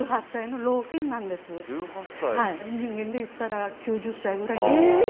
人間で言ったら９０歳ぐらいなんですよ。